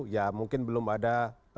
ya mungkin belum ada